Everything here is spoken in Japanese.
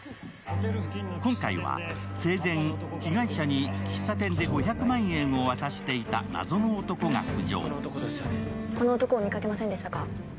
今回は生前、被害者に喫茶店で５００万円を渡していた謎の男が浮上。